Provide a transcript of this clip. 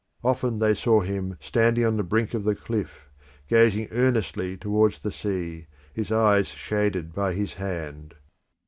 Often they saw him standing on the brink of the cliff, gazing earnestly towards the sea, his eyes shaded by his hand.